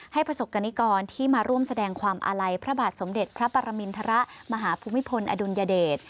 ประสบกรณิกรที่มาร่วมแสดงความอาลัยพระบาทสมเด็จพระปรมินทรมาหาภูมิพลอดุลยเดช